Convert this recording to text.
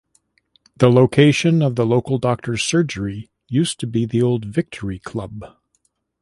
The location of the local doctor's surgery used to be the old Victory Club.